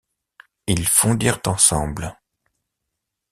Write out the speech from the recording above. Ils fondirent ensemble.